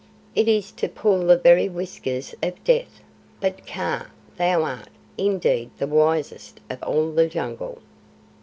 "It is to pull the very whiskers of Death, but Kaa, thou art, indeed, the wisest of all the Jungle."